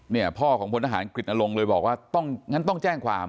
เนี่ยพ่อของพลทหารกฤตนลงเลยบอกว่าต้องงั้นต้องแจ้งความ